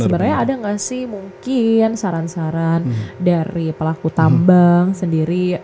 sebenarnya ada nggak sih mungkin saran saran dari pelaku tambang sendiri